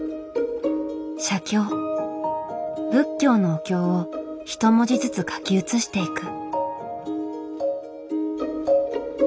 仏教のお経を一文字ずつ書き写していく。